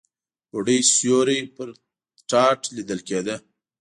بوډۍ سيوری پر تاټ ليدل کېده.